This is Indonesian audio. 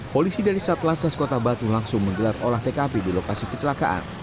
polisi dari satlantas kota batu langsung menggelar olah tkp di lokasi kecelakaan